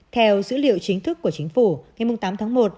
theo dữ liệu chính thức của chính phủ ngày tám tháng một